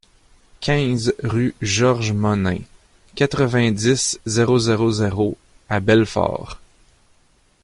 quinze rue Georges Monin, quatre-vingt-dix, zéro zéro zéro à Belfort